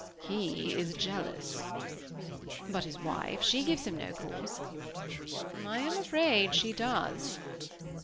"He is jealous." "But his wife she gives him no cause." "I am afraid she does."